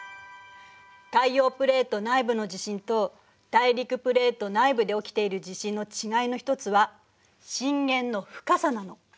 海洋プレート内部の地震と大陸プレート内部で起きている地震の違いのひとつは震源の深さなの。